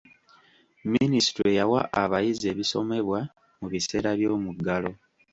Minisitule yawa abayizi ebisomebwa mu biseera by'omuggalo.